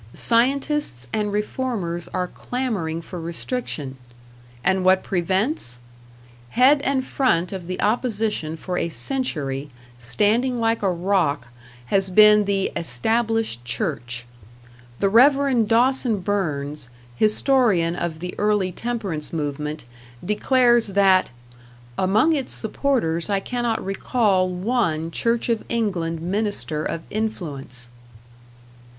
Scientists and reformers are clamoring for restriction; and what prevents? Head and front of the opposition for a century, standing like a rock, has been the Established Church. The Rev. Dawson Burns, historian of the early temperance movement, declares that "among its supporters I cannot recall one Church of England minister of influence."